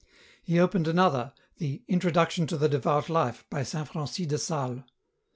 He opened another, the "Introduction to the Devout Life," by Saint Francis de Sales.